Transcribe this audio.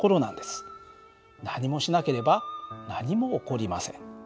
何もしなければ何も起こりません。